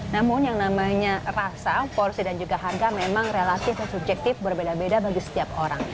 namun yang namanya rasa porsi dan juga harga memang relatif subjektif berbeda beda bagi setiap orang